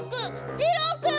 じろーくん！